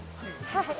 はい。